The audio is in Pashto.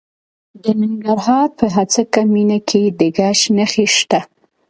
د ننګرهار په هسکه مینه کې د ګچ نښې شته.